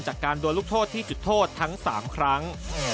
การดวนลูกโทษที่จุดโทษทั้ง๓ครั้ง